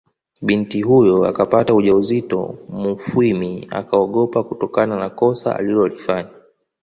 Binti huyo akapata ujauzito Mufwimi akaogopa kutokana na kosa alilolifanya